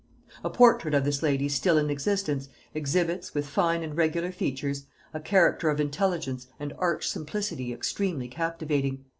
A portrait of this lady still in existence, exhibits, with fine and regular features, a character of intelligence and arch simplicity extremely captivating.